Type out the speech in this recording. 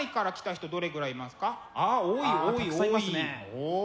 お。